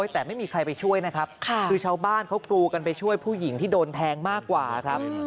แต่ไม่มีใครไปช่วยนะครับคือชาวบ้านเขากรูกันไปช่วยผู้หญิงที่โดนแทงมากกว่าครับ